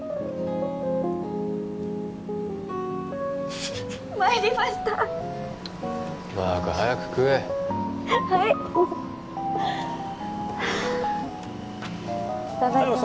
フフフッ参りましたバーカ早く食えはいはあいただきます